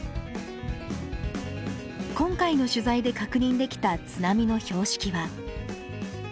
今回の取材で確認できた津波の標識は。